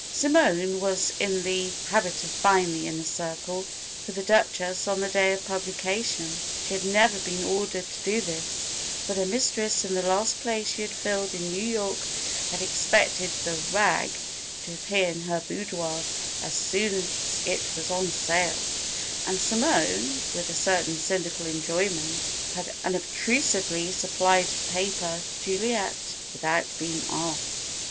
Simone was in the habit of buying the Inner Circle for the Duchess on the day of publication. She had never been ordered to do this, but her mistress in the last place she had filled in New York had expected the "rag" to appear in her boudoir as soon as it was on sale, and Simone (with a certain cynical enjoyment) had unobtrusively supplied the paper to Juliet without being asked.